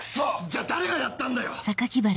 じゃ誰がやったんだよ！